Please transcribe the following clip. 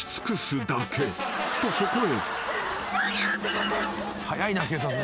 ［とそこへ］